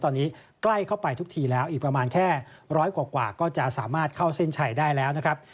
ตอนนี้ใกล้เข้าไปทุกทีแล้วอีกประมาณแค่ร้อยกว่าก็จะสามารถเข้าเส้นชัยได้แล้วนะครับ